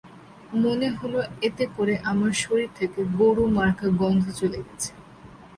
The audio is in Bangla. মনে হলো এতে করে আমার শরীর থেকে গরুমার্কা গন্ধ চলে গেছে।